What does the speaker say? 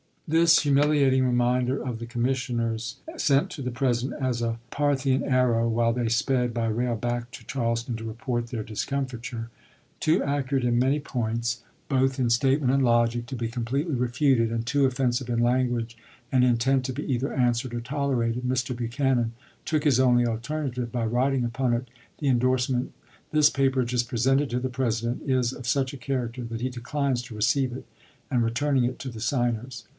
This humiliating reminder the commissioners sent to the President as a Parthian arrow, while they sped by rail back to Charleston to report their discomfiture. Too accurate in many points, both Chap. VI. Commis sioners to Buchanan, Jan. 1, 1861. W. K. Vol. I., pp. 121 124. 86 ABRAHAM LINCOLN chap. vi. in statement and logic, to be completely refuted, and too offensive in language and intent to be either answered or tolerated, Mr. Buchanan took his only alternative by writing upon it the indorse ment, " This paper just presented to the President is of such a character that he declines to receive it," and returning it to the signers.